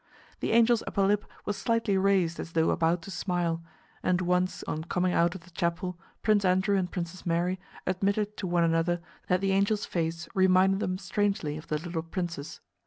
The angel's upper lip was slightly raised as though about to smile, and once on coming out of the chapel Prince Andrew and Princess Mary admitted to one another that the angel's face reminded them strangely of the little princess.